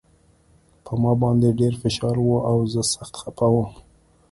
په ما باندې ډېر فشار و او زه سخت خپه وم